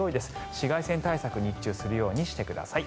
紫外線対策日中するようにしてください。